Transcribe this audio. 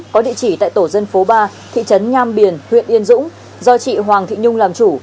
có địa chỉ tại tổ dân phố ba thị trấn nham biển huyện yên dũng do chị hoàng thị nhung làm chủ